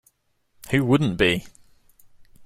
Who wouldn't be?